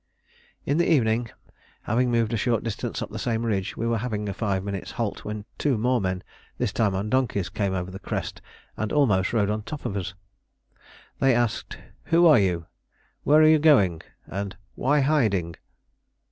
In the evening, having moved a short distance up the same ridge, we were having a five minutes' halt when two more men, this time on donkeys, came over the crest and almost rode on top of us. They asked, "Who are you? Where are you going?" and "Why hiding?"